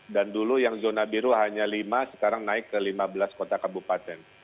dan dulu yang zona biru hanya lima sekarang naik ke lima belas kota kabupaten